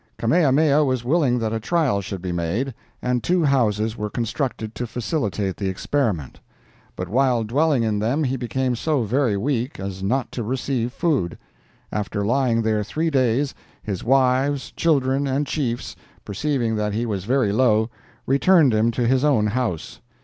Kamehameha was willing that a trial should be made, and two houses were constructed to facilitate the experiment; but while dwelling in them he became so very weak as not to receive food. After lying there three days, his wives, children and chiefs, perceiving that he was very low, returned him to his own house.